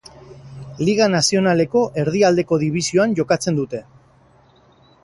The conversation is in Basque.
Liga Nazionaleko Erdialdeko Dibisioan jokatzen dute.